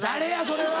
それは。